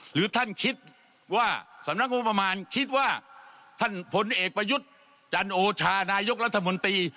หรือท่านคิดว่าสำนักงบประมาณคิดว่าท่านผลเอกประยุทธ์จันโอชานายกรัฐมนตรี